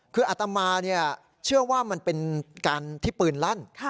คืออัตมาเชื่อว่ามันเป็นการที่ปืนลั่น